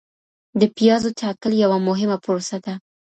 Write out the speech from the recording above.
د پیازو ټاکل یوه مهمه پروسه ده.